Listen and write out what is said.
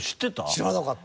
知らなかった。